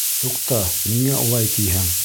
Туҡта, ниңә улай тиһең?